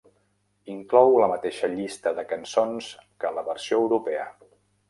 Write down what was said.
Inclou la mateixa llista de cançons que la versió europea.